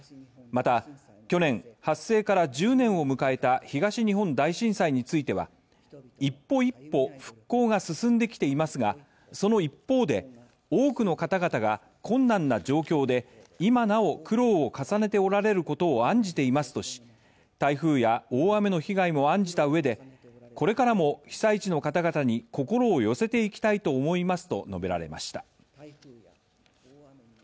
また、去年、発生から１０年を迎えた東日本大震災については一歩一歩復興が進んできていますがその一方で、多くの方々が困難な状況で今なお苦労を重ねておられることを案じていますとし、台風や大雨の被害も案じたうえでこれからも被災地の方々に心を寄せていきたいと思いますと述べられました。